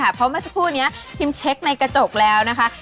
เพราะเมื่อสักครู่นี้พิมเช็คในกระจกแล้วนะคะ